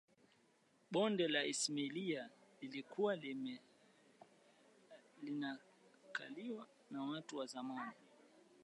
bonde la isimila lilikuwa linakwaliwa na watu wa zamani